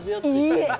いいえ！